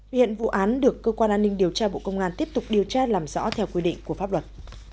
hiện vụ án được cơ quan an ninh điều tra bộ công an tiếp tục điều tra làm rõ theo quy định của pháp luật